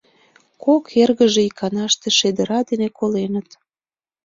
Кок эргыже иканаште шедыра дене коленыт.